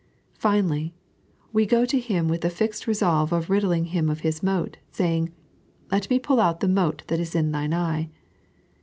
Finally, we go to him with the fixed resolve of ridding him of his mote, saying :" Let me pull out the mote that is in thine eye."